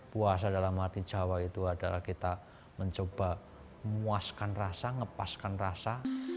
puasa dalam hati jawa itu adalah kita mencoba muaskan rasa ngepaskan rasa